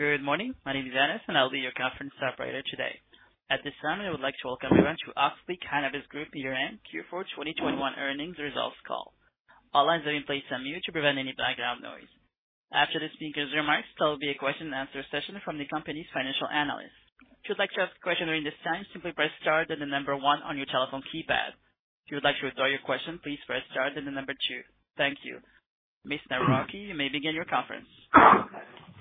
Good morning. My name is Dennis, and I'll be your conference operator today. At this time, I would like to welcome everyone to Auxly Cannabis Group year-end Q4 2021 Earnings Results Call. All lines have been placed on mute to prevent any background noise. After the speaker's remarks, there will be a question and answer session from the company's financial analysts. If you'd like to ask a question during this time, simply press star then the number one on your telephone keypad. If you would like to withdraw your question, please press star then the number one. Thank you. Ms. Nawrocki, you may begin your conference.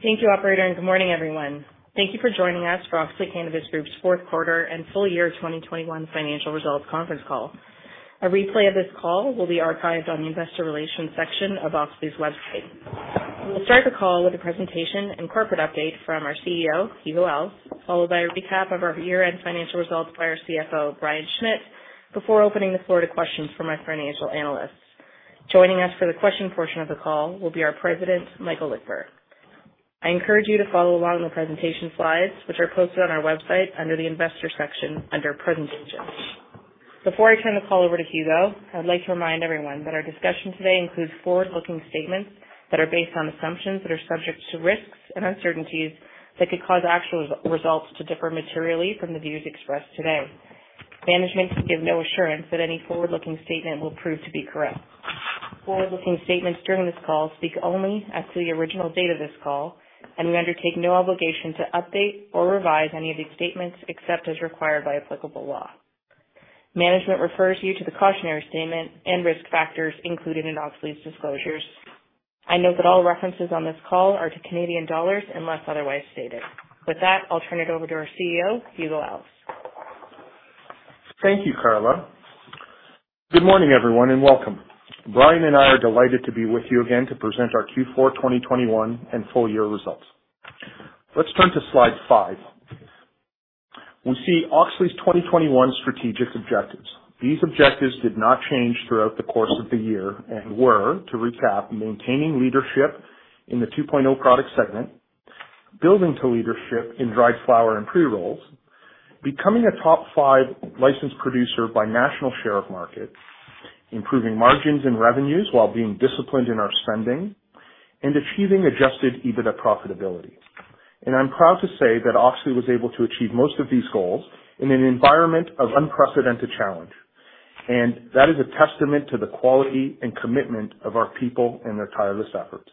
Thank you, operator, and good morning, everyone. Thank you for joining us for Auxly Cannabis Group's fourth quarter and full-year 2021 financial results conference call. A replay of this call will be archived on the investor relations section of Auxly's website. We'll start the call with a presentation and corporate update from our CEO, Hugo Alves, followed by a recap of our year-end financial results by our CFO, Brian Schmitt, before opening the floor to questions from our financial analysts. Joining us for the question portion of the call will be our President, Michael Lickver. I encourage you to follow along the presentation slides, which are posted on our website under the investor section under presentations. Before I turn the call over to Hugo, I'd like to remind everyone that our discussion today includes forward-looking statements that are based on assumptions that are subject to risks and uncertainties that could cause actual results to differ materially from the views expressed today. Management can give no assurance that any forward-looking statement will prove to be correct. Forward-looking statements during this call speak only as to the original date of this call, and we undertake no obligation to update or revise any of these statements except as required by applicable law. Management refers you to the cautionary statement and risk factors included in Auxly's disclosures. I note that all references on this call are to Canadian dollars unless otherwise stated. With that, I'll turn it over to our CEO, Hugo Alves. Thank you, Carla. Good morning, everyone, and welcome. Brian and I are delighted to be with you again to present our Q4 2021 and full-year results. Let's turn to Slide 5. We see Auxly's 2021 strategic objectives. These objectives did not change throughout the course of the year and were, to recap, maintaining leadership in the 2.0 product segment, building to leadership in dried flower and pre-rolls, becoming a top five licensed producer by national share of market, improving margins and revenues while being disciplined in our spending, and achieving Adjusted EBITDA profitability. I'm proud to say that Auxly was able to achieve most of these goals in an environment of unprecedented challenge. That is a testament to the quality and commitment of our people and their tireless efforts.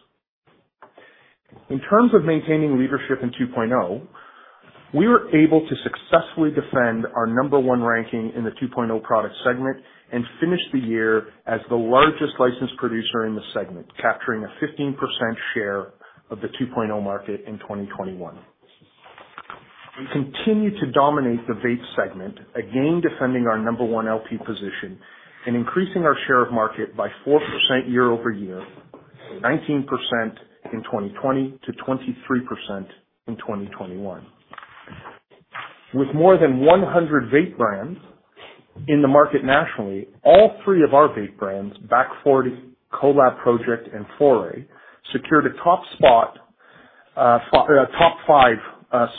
In terms of maintaining leadership in 2.0, we were able to successfully defend our number one ranking in the 2.0 product segment and finish the year as the largest licensed producer in the segment, capturing a 15% share of the 2.0 market in 2021. We continue to dominate the vape segment, again, defending our number one LP position and increasing our share of market by 4% year-over-year, 19% in 2020 to 23% in 2021. With more than 100 vape brands in the market nationally, all three of our vape brands, Back Forty, Kolab Project, and Foray, secured a top five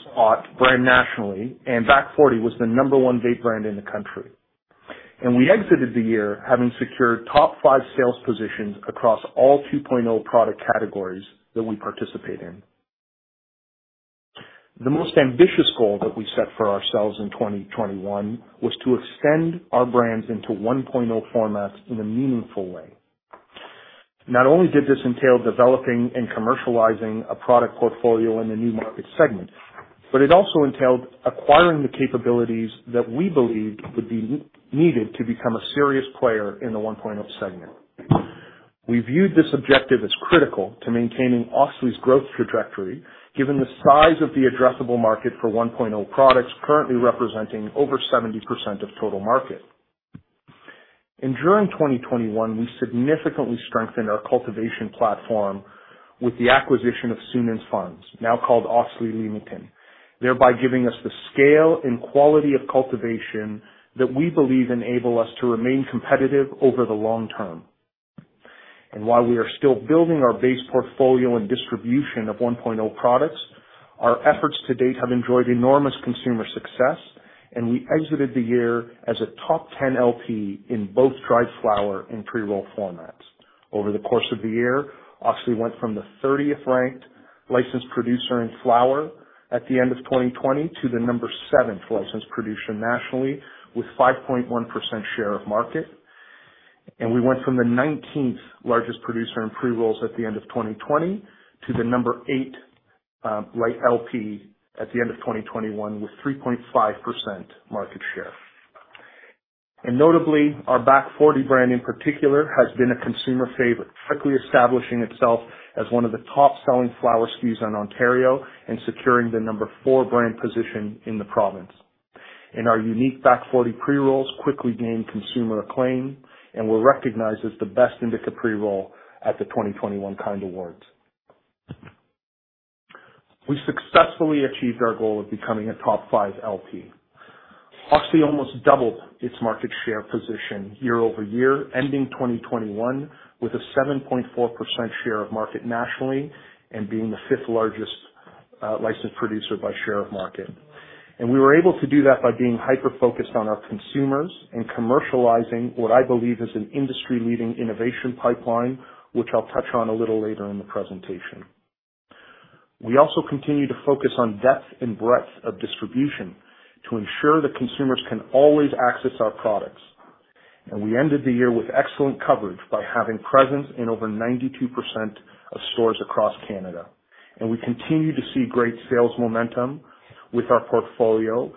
spot brand nationally, and Back Forty was the number one vape brand in the country. We exited the year having secured top five sales positions across all 2.0 product categories that we participate in. The most ambitious goal that we set for ourselves in 2021 was to extend our brands into 1.0 formats in a meaningful way. Not only did this entail developing and commercializing a product portfolio in the new market segment, but it also entailed acquiring the capabilities that we believed would be needed to become a serious player in the 1.0 segment. We viewed this objective as critical to maintaining Auxly's growth trajectory, given the size of the addressable market for 1.0 products currently representing over 70% of total market. During 2021, we significantly strengthened our cultivation platform with the acquisition of Sunens Farms, now called Auxly Leamington, thereby giving us the scale and quality of cultivation that we believe enable us to remain competitive over the long term. While we are still building our base portfolio and distribution of 1.0 products, our efforts to date have enjoyed enormous consumer success, and we exited the year as a top ten LP in both dried flower and pre-roll formats. Over the course of the year, Auxly Leamington went from the 30th-ranked licensed producer in flower at the end of 2020 to the 7th licensed producer nationally with 5.1% share of market. We went from the nineteenth largest producer in pre-rolls at the end of 2020 to the number eight LP at the end of 2021 with 3.5% market share. Notably, our Back Forty brand in particular has been a consumer favorite, quickly establishing itself as one of the top-selling flower SKUs in Ontario and securing the number four brand position in the province. Our unique Back Forty pre-rolls quickly gained consumer acclaim and were recognized as the best indica pre-roll at the 2021 Kind Awards. We successfully achieved our goal of becoming a top five LP. Auxly almost doubled its market share position year-over-year, ending 2021 with a 7.4% share of market nationally and being the fifth-largest licensed producer by share of market. We were able to do that by being hyper-focused on our consumers and commercializing what I believe is an industry-leading innovation pipeline, which I'll touch on a little later in the presentation. We also continue to focus on depth and breadth of distribution to ensure that consumers can always access our products. We ended the year with excellent coverage by having presence in over 92% of stores across Canada. We continue to see great sales momentum with our portfolio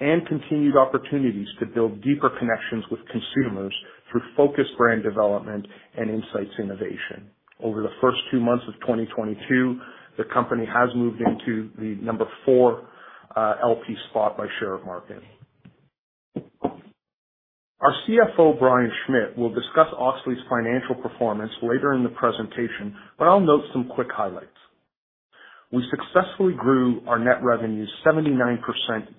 and continued opportunities to build deeper connections with consumers through focused brand development and insights innovation. Over the first two months of 2022, the company has moved into the number four LP spot by share of market. Our CFO, Brian Schmitt, will discuss Auxly's financial performance later in the presentation, but I'll note some quick highlights. We successfully grew our net revenue 79%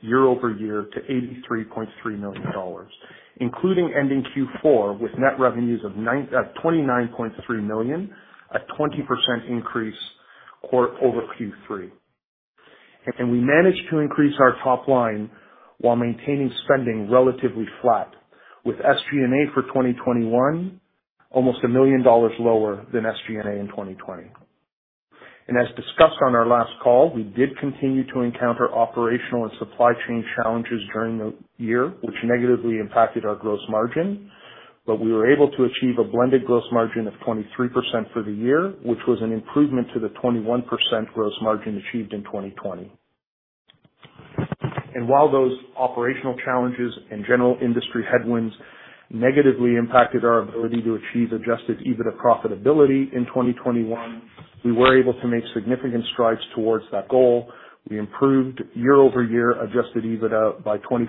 year-over-year to 83.3 million dollars, including ending Q4 with net revenues of 29.3 million, a 20% increase over Q3. We managed to increase our top line while maintaining spending relatively flat with SG&A for 2021, almost 1 million dollars lower than SG&A in 2020. As discussed on our last call, we did continue to encounter operational and supply chain challenges during the year, which negatively impacted our gross margin. We were able to achieve a blended gross margin of 23% for the year, which was an improvement to the 21% gross margin achieved in 2020. While those operational challenges and general industry headwinds negatively impacted our ability to achieve Adjusted EBITDA profitability in 2021, we were able to make significant strides towards that goal. We improved year-over-year Adjusted EBITDA by 24%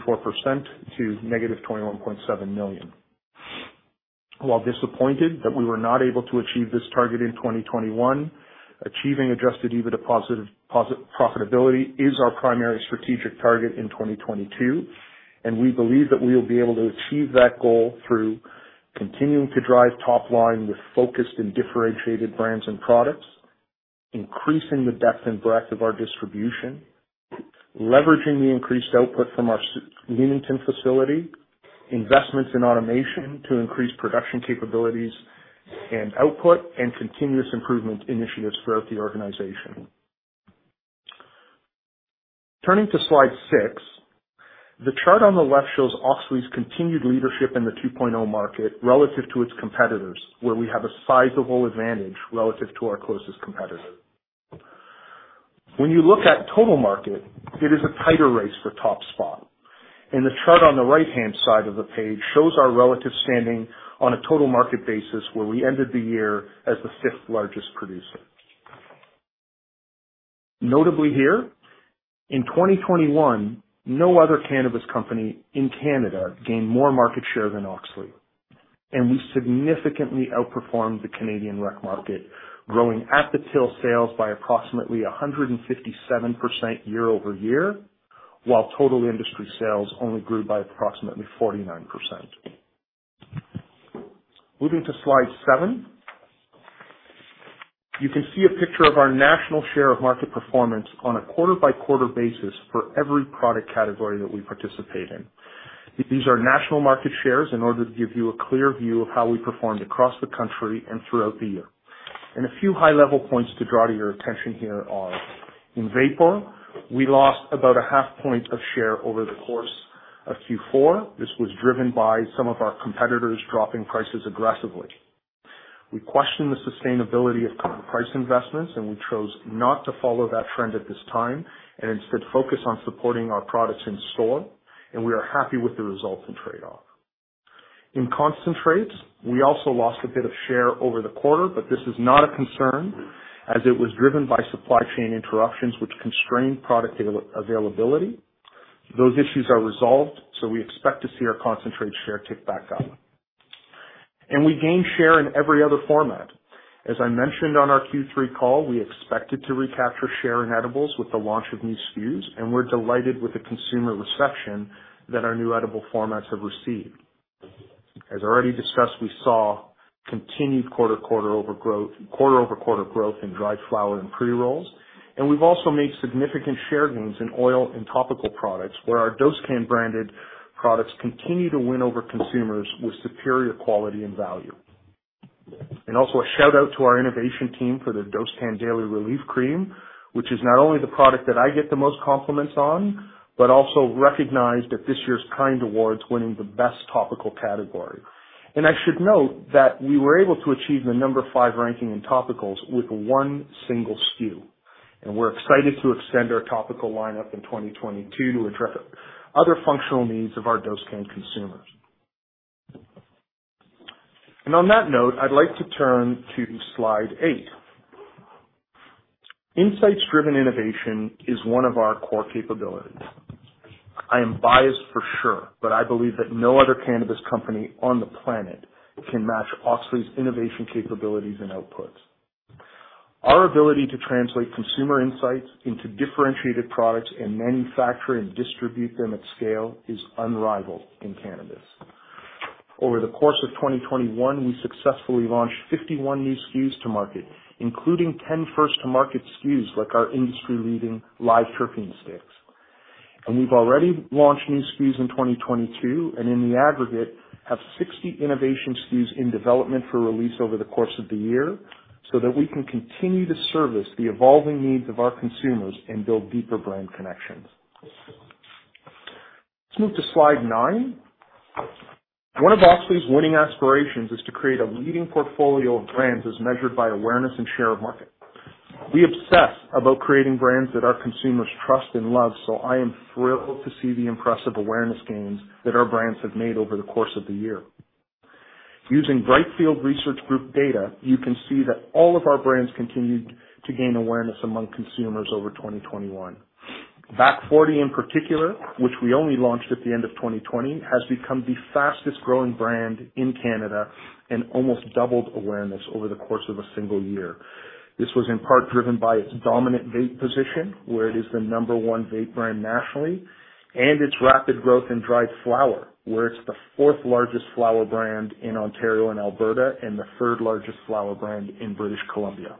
to -21.7 million. While disappointed that we were not able to achieve this target in 2021, achieving Adjusted EBITDA-positive profitability is our primary strategic target in 2022, and we believe that we will be able to achieve that goal through continuing to drive top line with focused and differentiated brands and products, increasing the depth and breadth of our distribution, leveraging the increased output from our Leamington facility, investments in automation to increase production capabilities and output, and continuous improvement initiatives throughout the organization. Turning to Slide 6, the chart on the left shows Auxly's continued leadership in the 2.0 market relative to its competitors, where we have a sizable advantage relative to our closest competitor. When you look at total market, it is a tighter race for top spot. The chart on the right-hand side of the page shows our relative standing on a total market basis, where we ended the year as the fifth-largest producer. Notably here, in 2021, no other cannabis company in Canada gained more market share than Auxly, and we significantly outperformed the Canadian rec market, growing at-the-till sales by approximately 157% year-over-year, while total industry sales only grew by approximately 49%. Moving to Slide 7, you can see a picture of our national share of market performance on a quarter-by-quarter basis for every product category that we participate in. These are national market shares in order to give you a clear view of how we performed across the country and throughout the year. A few high-level points to draw to your attention here are, in vapor, we lost about 0.5 point of share over the course of Q4. This was driven by some of our competitors dropping prices aggressively. We question the sustainability of current price investments, and we chose not to follow that trend at this time and instead focus on supporting our products in store, and we are happy with the resulting trade-off. In concentrates, we also lost a bit of share over the quarter, but this is not a concern as it was driven by supply chain interruptions which constrained product availability. Those issues are resolved, so we expect to see our concentrate share tick back up. We gained share in every other format. As I mentioned on our Q3 call, we expected to recapture share in edibles with the launch of new SKUs, and we're delighted with the consumer reception that our new edible formats have received. As already discussed, we saw continued quarter-over-quarter growth in dried flower and pre-rolls, and we've also made significant share gains in oil and topical products where our Dosecann branded products continue to win over consumers with superior quality and value. Also a shout-out to our innovation team for their Dosecann Daily Relief cream, which is not only the product that I get the most compliments on, but also recognized at this year's Kind Awards, winning the best topical category. I should note that we were able to achieve the number five ranking in topicals with one single SKU, and we're excited to extend our topical lineup in 2022 to address other functional needs of our Dosecann consumers. On that note, I'd like to turn to Slide 8. Insights-driven innovation is one of our core capabilities. I am biased for sure, but I believe that no other cannabis company on the planet can match Auxly's innovation capabilities and outputs. Our ability to translate consumer insights into differentiated products and manufacture and distribute them at scale is unrivaled in cannabis. Over the course of 2021, we successfully launched 51 new SKUs to market, including 10 first-to-market SKUs, like our industry-leading Live Terpene Sticks. We've already launched new SKUs in 2022, and in the aggregate have 60 innovation SKUs in development for release over the course of the year, so that we can continue to service the evolving needs of our consumers and build deeper brand connections. Let's move to Slide 9. One of Auxly's winning aspirations is to create a leading portfolio of brands as measured by awareness and share of market. We obsess about creating brands that our consumers trust and love, so I am thrilled to see the impressive awareness gains that our brands have made over the course of the year. Using Brightfield Group data, you can see that all of our brands continued to gain awareness among consumers over 2021. Back Forty in particular, which we only launched at the end of 2020, has become the fastest growing brand in Canada and almost doubled awareness over the course of a single year. This was in part driven by its dominant vape position, where it is the No. One vape brand nationally and its rapid growth in dried flower, where it's the fourth largest flower brand in Ontario and Alberta and the third largest flower brand in British Columbia.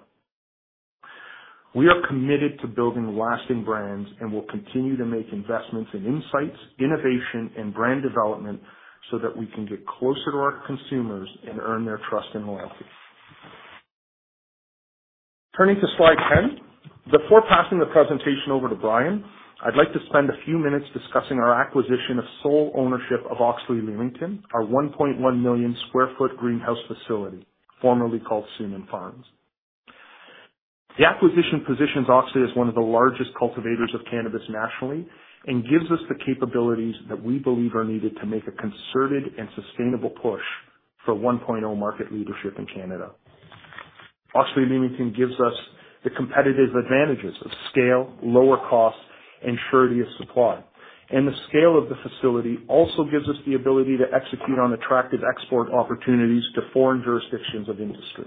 We are committed to building lasting brands and will continue to make investments in insights, innovation and brand development so that we can get closer to our consumers and earn their trust and loyalty. Turning to Slide 10. Before passing the presentation over to Brian, I'd like to spend a few minutes discussing our acquisition of sole ownership of Auxly Leamington, our 1.1 million sq ft greenhouse facility, formerly called Sunens Farms. The acquisition positions Auxly as one of the largest cultivators of cannabis nationally and gives us the capabilities that we believe are needed to make a concerted and sustainable push for 1.0 market leadership in Canada. Auxly Leamington gives us the competitive advantages of scale, lower cost and surety of supply. The scale of the facility also gives us the ability to execute on attractive export opportunities to foreign jurisdictions of industry.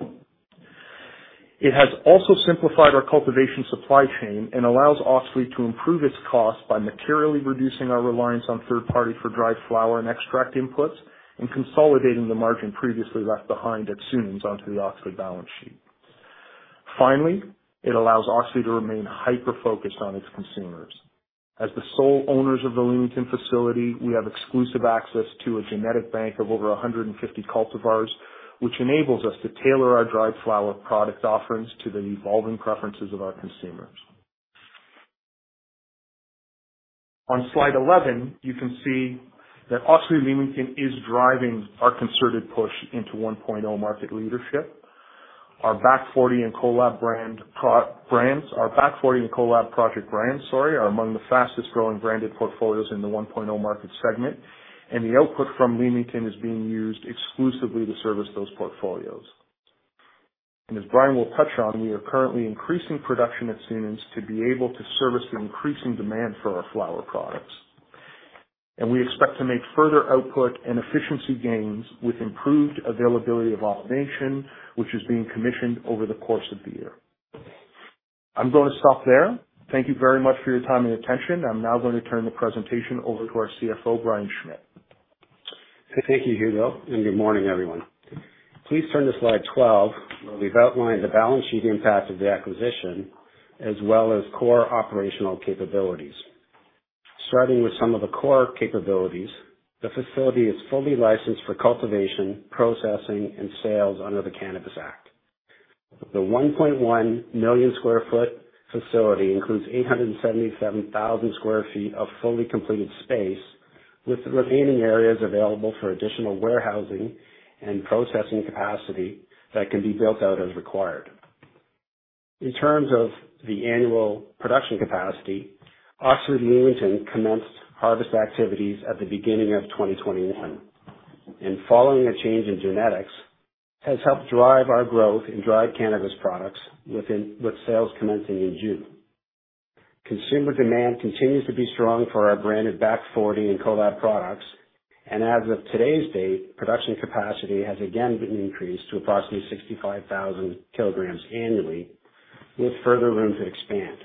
It has also simplified our cultivation supply chain and allows Auxly to improve its cost by materially reducing our reliance on third-party for dried flower and extract inputs, and consolidating the margin previously left behind at Sunens Farms onto the Auxly balance sheet. Finally, it allows Auxly to remain hyper-focused on its consumers. As the sole owners of the Leamington facility, we have exclusive access to a genetic bank of over 150 cultivars, which enables us to tailor our dried flower product offerings to the evolving preferences of our consumers. On Slide 11, you can see that Auxly Leamington is driving our concerted push into 1.0 market leadership. Our Back Forty and Kolab brands. Our Back Forty and Kolab Project brands, sorry, are among the fastest growing branded portfolios in the 1.0 market segment, and the output from Leamington is being used exclusively to service those portfolios. As Brian will touch on, we are currently increasing production at Sunens Farms to be able to service the increasing demand for our flower products. We expect to make further output and efficiency gains with improved availability of automation, which is being commissioned over the course of the year. I'm going to stop there. Thank you very much for your time and attention. I'm now going to turn the presentation over to our CFO, Brian Schmitt. Thank you, Hugo, and good morning, everyone. Please turn to Slide 12, where we've outlined the balance sheet impact of the acquisition as well as core operational capabilities. Starting with some of the core capabilities, the facility is fully licensed for cultivation, processing, and sales under the Cannabis Act. The 1.1 million sq ft facility includes 877,000 sq ft of fully completed space, with the remaining areas available for additional warehousing and processing capacity that can be built out as required. In terms of the annual production capacity, Auxly Leamington commenced harvest activities at the beginning of 2021. Following a change in genetics has helped drive our growth in dried cannabis products, with sales commencing in June. Consumer demand continues to be strong for our branded Back Forty and Kolab products, and as of today's date, production capacity has again been increased to approximately 65,000 kilograms annually with further room to expand.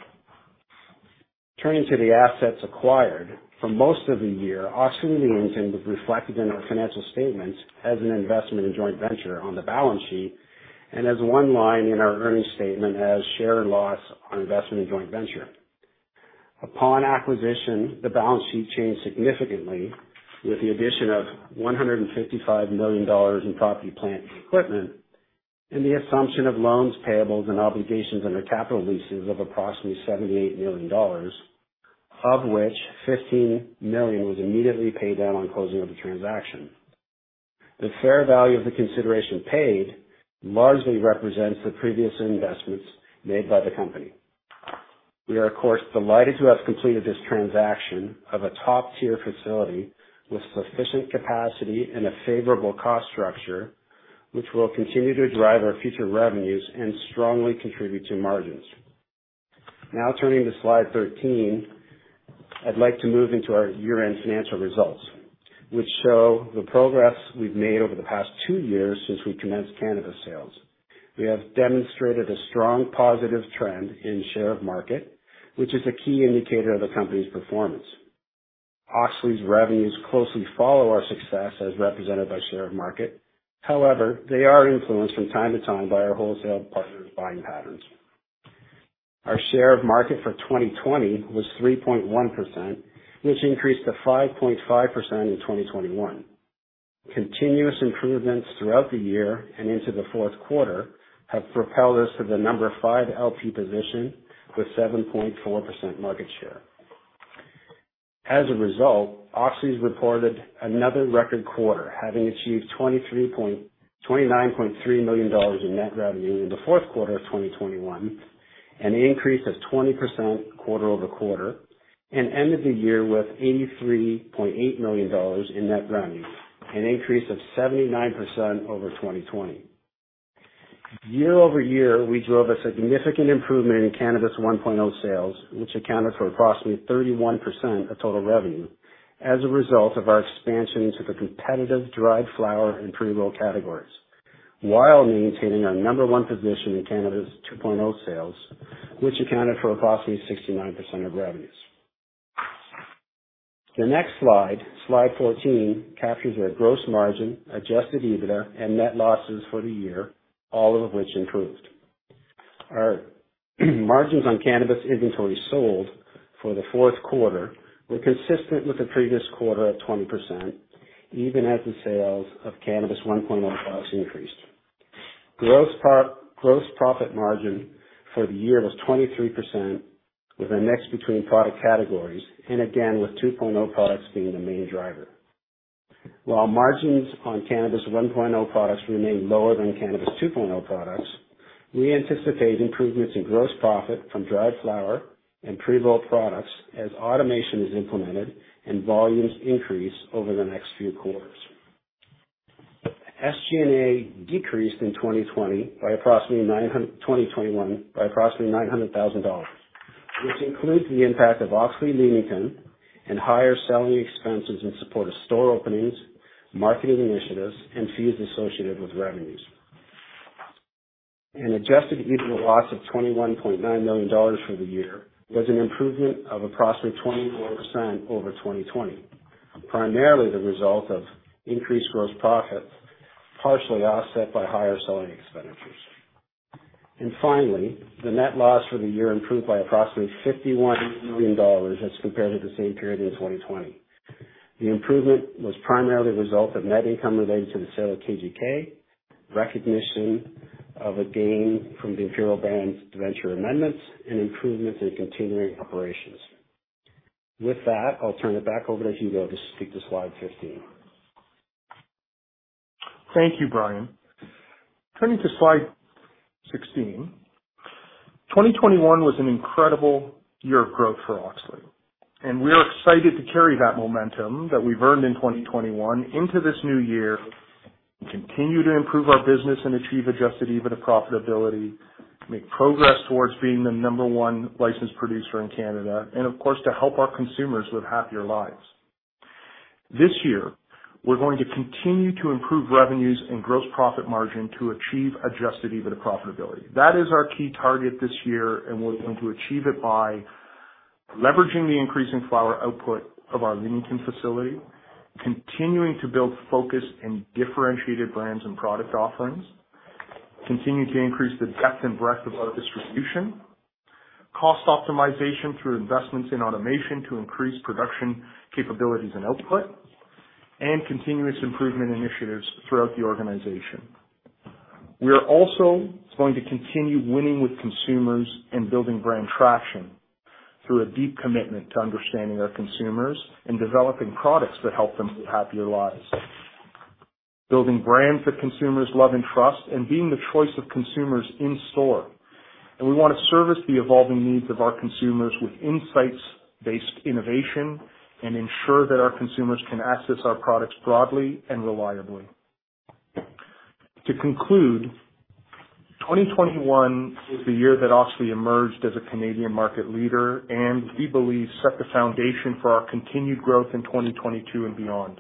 Turning to the assets acquired. For most of the year, Auxly Leamington was reflected in our financial statements as an investment in joint venture on the balance sheet and as one line in our earnings statement as share of loss on investment in joint venture. Upon acquisition, the balance sheet changed significantly with the addition of 155 million dollars in property, plant and equipment and the assumption of loans, payables and obligations under capital leases of approximately 78 million dollars, of which 15 million was immediately paid down on closing of the transaction. The fair value of the consideration paid largely represents the previous investments made by the company. We are of course delighted to have completed this transaction of a top-tier facility with sufficient capacity and a favorable cost structure, which will continue to drive our future revenues and strongly contribute to margins. Now, turning to Slide 13. I'd like to move into our year-end financial results, which show the progress we've made over the past two years since we commenced cannabis sales. We have demonstrated a strong positive trend in share of market, which is a key indicator of the company's performance. Auxly's revenues closely follow our success as represented by share of market. However, they are influenced from time to time by our wholesale partners' buying patterns. Our share of market for 2020 was 3.1%, which increased to 5.5% in 2021. Continuous improvements throughout the year and into the fourth quarter have propelled us to the number five LP position with 7.4% market share. As a result, Auxly's reported another record quarter, having achieved 29.3 million dollars in net revenue in the fourth quarter of 2021, an increase of 20% quarter-over-quarter, and ended the year with 83.8 million dollars in net revenues, an increase of 79% over 2020. Year-over-year, we drove a significant improvement in cannabis 1.0 sales, which accounted for approximately 31% of total revenue as a result of our expansion into the competitive dried flower and pre-roll categories while maintaining our number one position in cannabis 2.0 sales, which accounted for approximately 69% of revenues. The next Slide 14, captures our gross margin, Adjusted EBITDA and net losses for the year, all of which improved. Our margins on cannabis inventory sold for the fourth quarter were consistent with the previous quarter at 20%, even as the sales of cannabis 1.0 products increased. Gross profit margin for the year was 23%, with a mix between product categories and again with 2.0 products being the main driver. While margins on cannabis 1.0 products remain lower than cannabis 2.0 products, we anticipate improvements in gross profit from dried flower and pre-roll products as automation is implemented and volumes increase over the next few quarters. SG&A decreased in 2020 by approximately 900- 2021 by approximately 900,000 dollars, which includes the impact of Auxly Leamington and higher selling expenses in support of store openings, marketing initiatives and fees associated with revenues. An Adjusted EBITDA loss of 21.9 million dollars for the year was an improvement of approximately 24% over 2020, primarily the result of increased gross profits, partially offset by higher selling expenditures. Finally, the net loss for the year improved by approximately 51 million dollars as compared to the same period in 2020. The improvement was primarily the result of net income related to the sale of KGK, recognition of a gain from the Imperial Brands venture amendments, and improvements in continuing operations. With that, I'll turn it back over to Hugo to speak to Slide 15. Thank you, Brian. Turning to Slide 16. 2021 was an incredible year of growth for Auxly, and we are excited to carry that momentum that we've earned in 2021 into this new year and continue to improve our business and achieve Adjusted EBITDA profitability, make progress towards being the number one licensed producer in Canada, and of course, to help our consumers live happier lives. This year we're going to continue to improve revenues and gross profit margin to achieve Adjusted EBITDA profitability. That is our key target this year and we're going to achieve it by leveraging the increasing flower output of our Leamington facility, continuing to build focused and differentiated brands and product offerings, continuing to increase the depth and breadth of our distribution, cost optimization through investments in automation to increase production capabilities and output, and continuous improvement initiatives throughout the organization. We are also going to continue winning with consumers and building brand traction through a deep commitment to understanding our consumers and developing products that help them live happier lives, building brands that consumers love and trust, and being the choice of consumers in store. We want to service the evolving needs of our consumers with insights-based innovation and ensure that our consumers can access our products broadly and reliably. To conclude, 2021 is the year that Auxly emerged as a Canadian market leader, and we believe set the foundation for our continued growth in 2022 and beyond.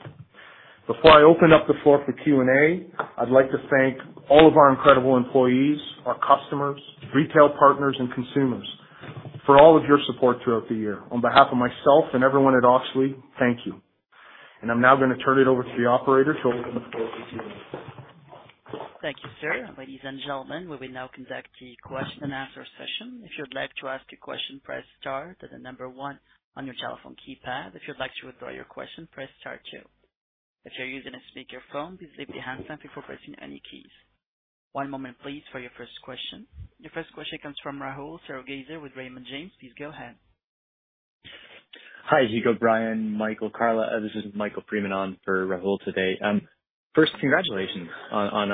Before I open up the floor for Q&A, I'd like to thank all of our incredible employees, our customers, retail partners and consumers for all of your support throughout the year. On behalf of myself and everyone at Auxly, thank you. I'm now going to turn it over to the operator to open the floor for Q&A. Thank you, sir. Ladies and gentlemen, we will now conduct the question and answer session. If you'd like to ask a question, press star, then the number one on your telephone keypad. If you'd like to withdraw your question, press star two. If you're using a speakerphone, please lift your hand up before pressing any keys. One moment please for your first question. Your first question comes from Rahul Sarugaser with Raymond James. Please go ahead. Hi, Hugo, Brian, Michael, Carla. This is Michael Freeman on for Rahul today. First, congratulations on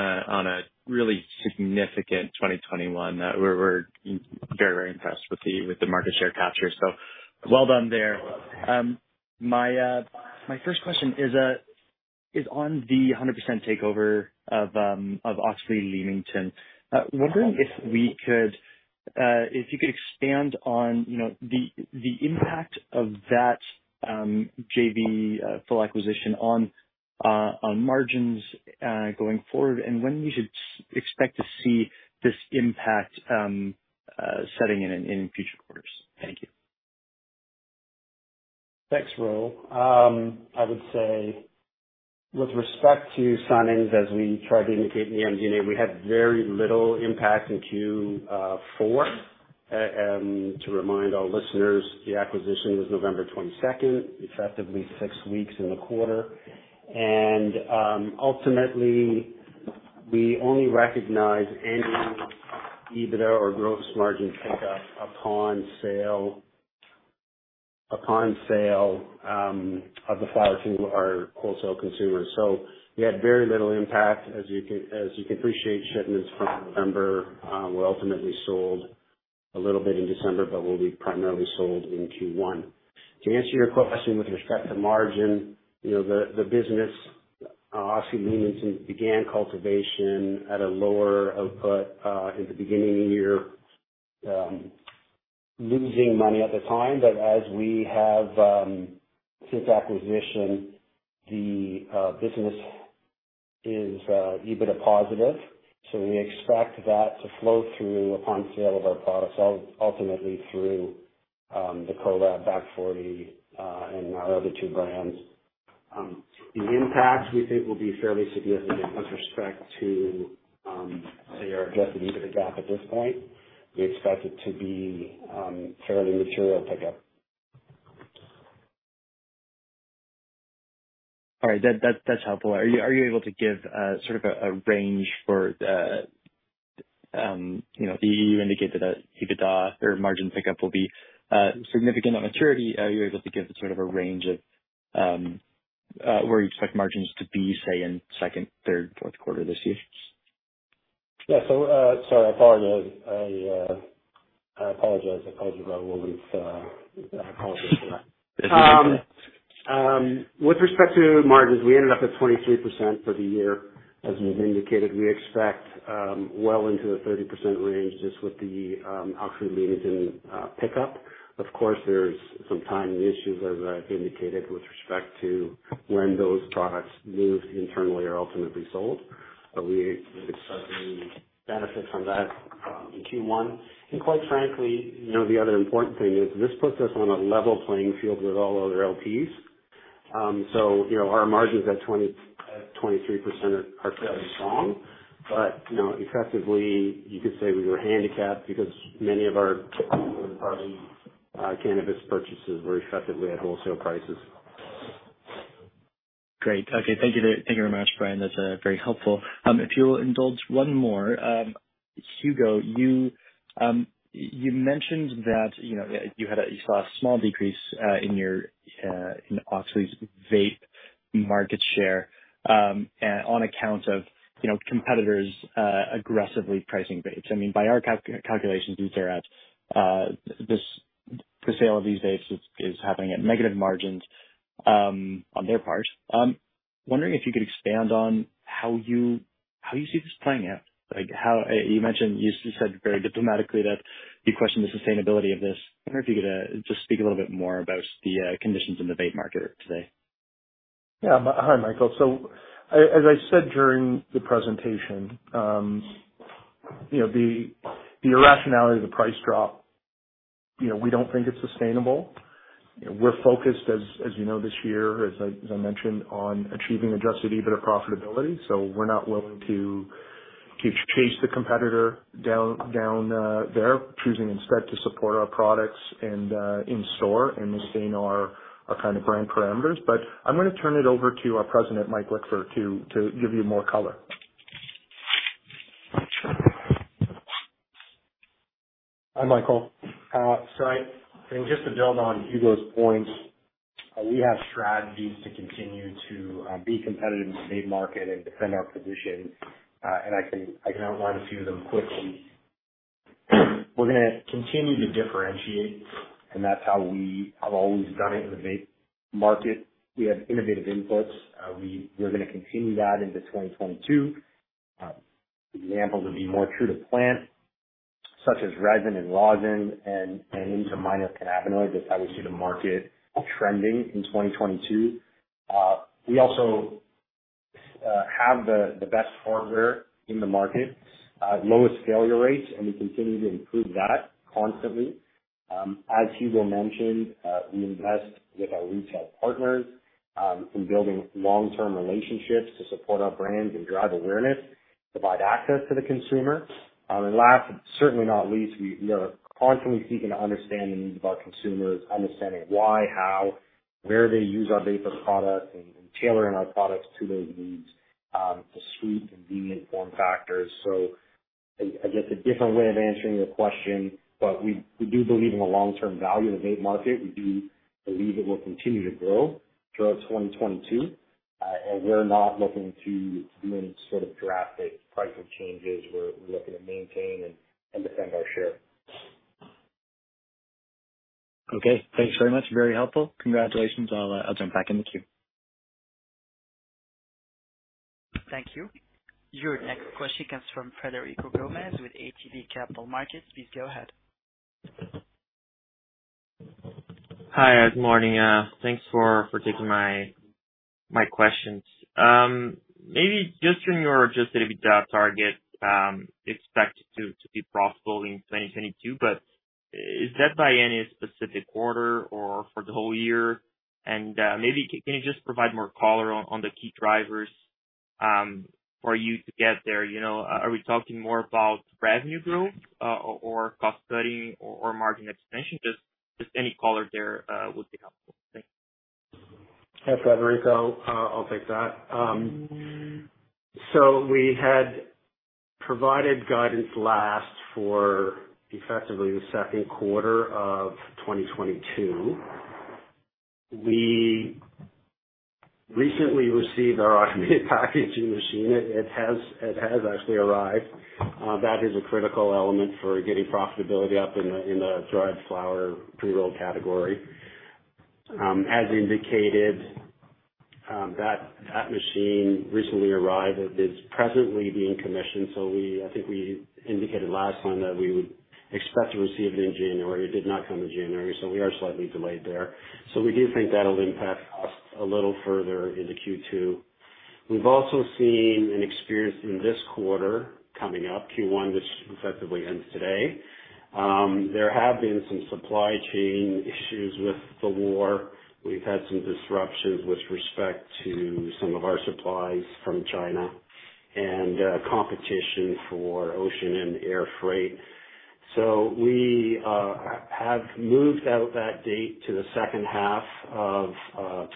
a really significant 2021. We're very impressed with the market share capture. Well done there. My first question is on the 100% takeover of Auxly Leamington. Wondering if we could- If you could expand on, you know, the impact of that JV full acquisition on margins going forward, and when we should expect to see this impact setting in future quarters. Thank you. Thanks, Mike. I would say with respect to Sunens Farms, as we tried to indicate in the earnings today, we had very little impact in Q4. To remind our listeners, the acquisition was November 22nd, effectively six weeks in the quarter. Ultimately, we only recognize any EBITDA or gross margin pickup upon sale of the flower to our wholesale consumers. We had very little impact. As you can appreciate, shipments from November were ultimately sold a little bit in December, but will be primarily sold in Q1. To answer your question with respect to margin, you know, the business, Auxly Leamington began cultivation at a lower output in the beginning of the year, losing money at the time. As we have since acquisition, the business is EBITDA positive, so we expect that to flow through upon sale of our products ultimately through the Kolab, Back Forty, and our other two brands. The impact we think will be fairly significant with respect to, say, our Adjusted EBITDA drop at this point. We expect it to be fairly material pickup. All right. That's helpful. Are you able to give sort of a range? You know, you indicated that EBITDA or margin pickup will be significant on maturity. Are you able to give sort of a range of where you expect margins to be, say, in second, third, fourth quarter this year? Sorry, I apologize for that. With respect to margins, we ended up at 23% for the year. As we've indicated, we expect well into the 30% range just with the Auxly Leamington pickup. Of course, there's some timing issues, as I've indicated, with respect to when those products moved internally are ultimately sold. We expect to benefit from that in Q1. Quite frankly, you know, the other important thing is this puts us on a level playing field with all other LPs. You know, our margins at 23% are fairly strong. Effectively, you could say we were handicapped because many of our third-party cannabis purchases were effectively at wholesale prices. Great. Okay. Thank you. Thank you very much, Brian. That's very helpful. If you will indulge one more. Hugo, you mentioned that, you know, you saw a small decrease in your Auxly's vape market share, and on account of, you know, competitors aggressively pricing vapes. I mean, by our calculations and where it's at, the sale of these vapes is happening at negative margins on their part. I'm wondering if you could expand on how you see this playing out. Like, you mentioned, you said very diplomatically that you question the sustainability of this. I wonder if you could just speak a little bit more about the conditions in the vape market today. Yeah. Hi, Michael. As I said during the presentation, you know, the irrationality of the price drop, you know, we don't think it's sustainable. We're focused as you know, this year, as I mentioned, on achieving Adjusted EBITDA profitability. We're not willing to chase the competitor down there, choosing instead to support our products and in store and within our kind of brand parameters. I'm gonna turn it over to our President, Mike Lickver, to give you more color. Hi, Michael. I mean, just to build on Hugo's point, we have strategies to continue to be competitive in the vape market and defend our position. I can outline a few of them quickly. We're gonna continue to differentiate, and that's how we have always done it in the vape market. We have innovative inputs. We're gonna continue that into 2022. Examples would be more true to plant such as resin and rosin and into minor cannabinoids. That's how we see the market trending in 2022. We also have the best hardware in the market, lowest failure rates, and we continue to improve that constantly. As Hugo mentioned, we invest with our retail partners in building long-term relationships to support our brands and drive awareness, provide access to the consumer. Last, but certainly not least, we are constantly seeking to understand the needs of our consumers, understanding why, how, where they use our vapor products and tailoring our products to those needs, to suit convenient form factors. I guess a different way of answering your question, but we do believe in the long-term value of the vape market. We do believe it will continue to grow throughout 2022. We're not looking to do any sort of drastic pricing changes. We're looking to maintain and defend our share. Okay. Thanks very much. Very helpful. Congratulations. I'll jump back in the queue. Thank you. Your next question comes from Frederico Gomes with ATB Capital Markets. Please go ahead. Hi. Good morning. Thanks for taking my questions. Maybe just in your Adjusted EBITDA target, expect to be profitable in 2022. But is that by any specific quarter or for the whole year? Maybe can you just provide more color on the key drivers for you to get there? You know, are we talking more about revenue growth, or cost cutting or margin expansion? Just any color there would be helpful. Thanks. Yeah, Federico, I'll take that. We had provided guidance last for effectively the second quarter of 2022. We recently received our automated packaging machine. It has actually arrived. That is a critical element for getting profitability up in the dried flower pre-roll category. As indicated, that machine recently arrived. It is presently being commissioned. I think we indicated last time that we would expect to receive it in January. It did not come in January, so we are slightly delayed there. We do think that'll impact us a little further into Q2. We've also seen and experienced in this quarter coming up, Q1, which effectively ends today. There have been some supply chain issues with the war. We've had some disruptions with respect to some of our supplies from China and competition for ocean and air freight. We have moved out that date to the second half of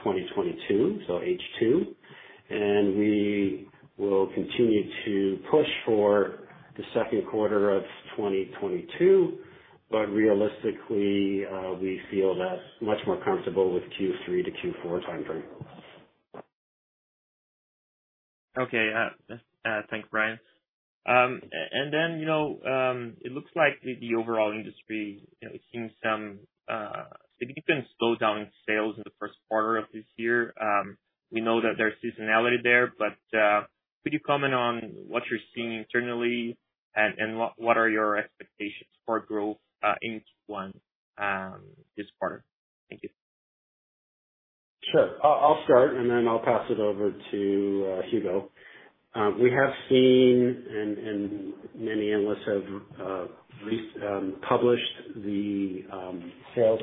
2022, so H2. We will continue to push for the second quarter of 2022. Realistically, we feel much more comfortable with Q3 to Q4 timeframe. Okay. Thanks, Brian. Then, you know, it looks like the overall industry, you know, seeing some significant slowdown in sales in the first quarter of this year. We know that there's seasonality there, but could you comment on what you're seeing internally and what are your expectations for growth in Q1, this quarter? Thank you. Sure. I'll start and then I'll pass it over to Hugo. We have seen and many analysts have published the sales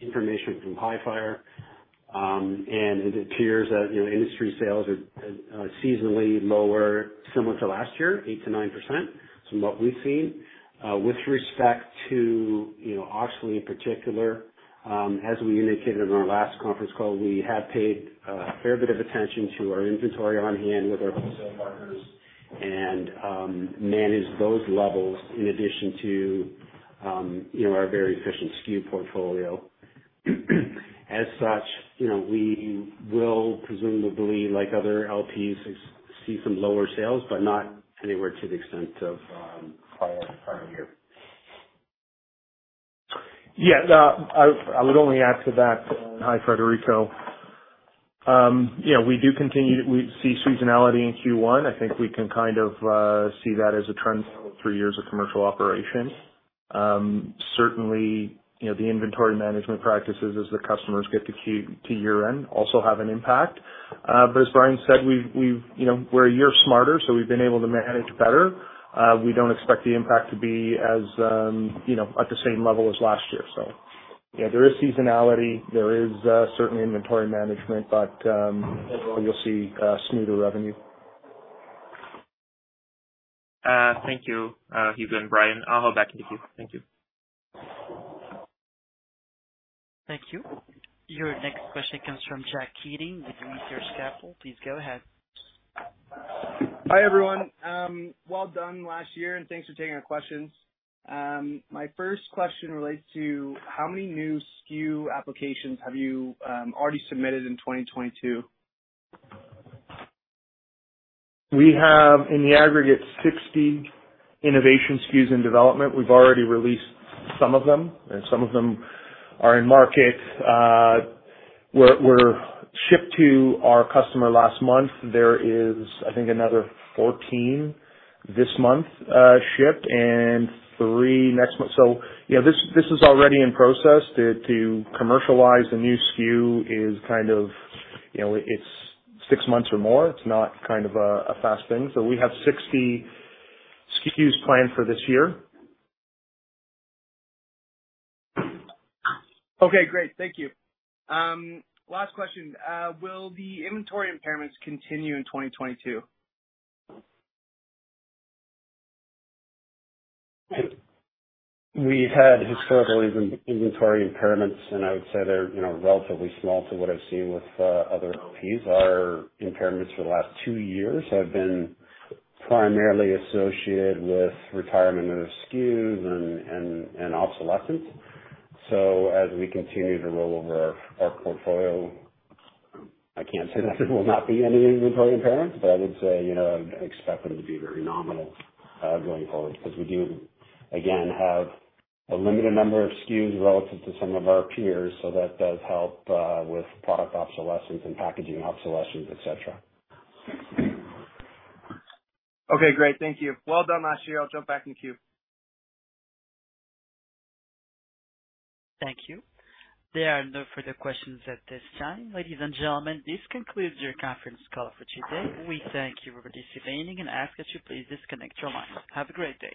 information from Hifyre. It appears that, you know, industry sales are seasonally lower similar to last year, 8%-9% from what we've seen. With respect to, you know, Auxly in particular, as we indicated in our last conference call, we have paid a fair bit of attention to our inventory on hand with our wholesale partners and managed those levels in addition to, you know, our very efficient SKU portfolio. As such, you know, we will presumably like other LPs see some lower sales, but not anywhere to the extent of prior year. Yeah. No, I would only add to that. Hi, Federico. Yeah, we do continue to see seasonality in Q1. I think we can kind of see that as a trend now of three years of commercial operation. Certainly, you know, the inventory management practices as the customers get to year-end also have an impact. But as Brian said, we've you know, we're a year smarter, so we've been able to manage better. We don't expect the impact to be as you know, at the same level as last year. Yeah, there is seasonality, there is certainly inventory management, but overall, you'll see smoother revenue. Thank you, Hugo and Brian. I'll hop back in the queue. Thank you. Thank you. Your next question comes from Jack Keating with Research Capital. Please go ahead. Hi, everyone. Well done last year, and thanks for taking our questions. My first question relates to how many new SKU applications have you already submitted in 2022? We have, in the aggregate, 60 innovation SKUs in development. We've already released some of them, and some of them are in market. Some were shipped to our customer last month. There is, I think, another 14 this month shipped, and three next month. You know, this is already in process. To commercialize a new SKU is kind of, you know, it's six months or more. It's not kind of a fast thing. We have 60 SKUs planned for this year. Okay, great. Thank you. Last question. Will the inventory impairments continue in 2022? We had historical inventory impairments, and I would say they're, you know, relatively small to what I've seen with other LPs. Our impairments for the last two years have been primarily associated with retirement of SKUs and obsolescence. As we continue to roll over our portfolio, I can't say that there will not be any inventory impairments, but I would say, you know, I expect them to be very nominal going forward, because we do, again, have a limited number of SKUs relative to some of our peers, so that does help with product obsolescence and packaging obsolescence, et cetera. Okay, great. Thank you. Well done last year. I'll jump back in queue. Thank you. There are no further questions at this time. Ladies and gentlemen, this concludes your conference call for today. We thank you for participating and ask that you please disconnect your lines. Have a great day.